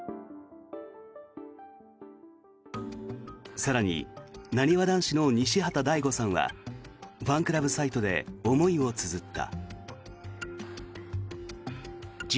更になにわ男子の西畑大吾さんはファンクラブサイトで思いをつづった。